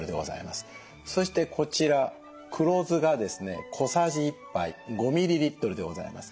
そしてこちら黒酢がですね小さじ１杯５ｍｌでございます。